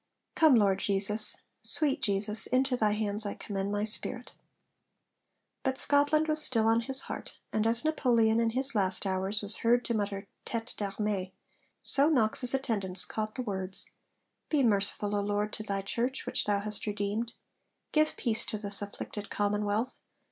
'Come, Lord Jesus. Sweet Jesus, into Thy hands I commend my spirit' But Scotland was still on his heart; and as Napoleon in his last hours was heard to mutter tête d'armée, so Knox's attendants caught the words, 'Be merciful, O Lord, to Thy Church, which Thou hast redeemed. Give peace to this afflicted commonwealth.